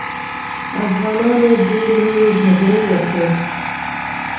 افغانانو درې لويې جګړې وکړې.